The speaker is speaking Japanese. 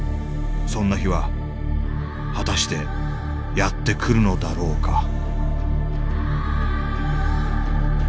そんな日は果たしてやって来るのだろうか？